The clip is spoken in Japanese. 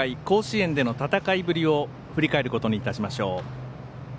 甲子園での戦いぶりを振り返ることにいたしましょう。